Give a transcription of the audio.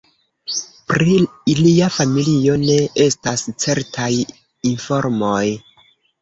Pri lia familio ne estas certaj informoj.